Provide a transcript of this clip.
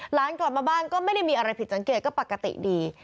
หลานกลับมาบ้านก็ไม่ได้มีอะไรผิดสังเกตก็ปกติดี